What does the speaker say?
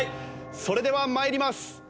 それでは参ります。